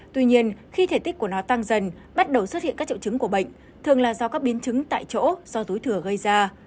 tuy nhiên khi thể tích của nó tăng dần bắt đầu xuất hiện các triệu chứng của bệnh thường là do các biến chứng tại chỗ do túi thừa gây ra